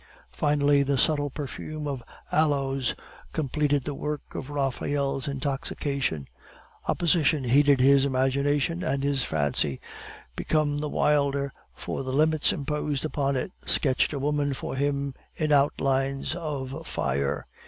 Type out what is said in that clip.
Finally, the subtle perfume of aloes completed the work of Raphael's intoxication. Opposition heated his imagination, and his fancy, become the wilder for the limits imposed upon it, sketched a woman for him in outlines of fire.